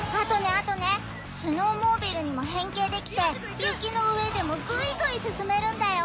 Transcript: あとねスノーモービルにも変形できて雪の上でもグイグイ進めるんだよ。